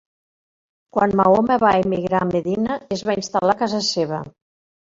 Quan Mahoma va emigrar a Medina es va instal·lar a casa seva.